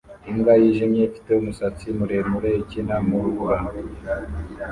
Imbwa yijimye ifite umusatsi muremure ikina mu rubura